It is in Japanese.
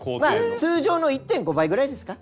まあ通常の１．５倍ぐらいですか？